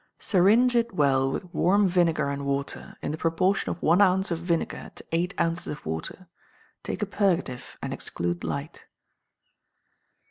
Syringe it well with warm vinegar and water in the proportion of one ounce of vinegar to eight ounces of water; take a purgative, and exclude light.